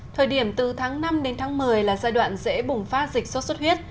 thời điểm từ tháng năm đến tháng một mươi là giai đoạn dễ bùng phát dịch sốt xuất huyết